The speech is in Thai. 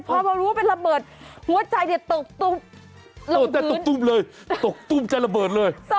พอมารู้ว่าเป็นระเบิดหัวใจตกตุ้มตกตุ้มใจระเบิดเลย